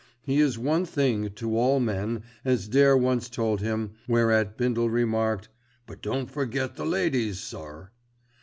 He is one thing to all men, as Dare once told him, whereat Bindle remarked, "But don't forget the ladies, sir."